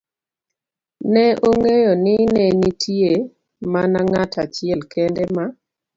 ne ong'eyo ni ne nitie mana ng'at achiel kende ma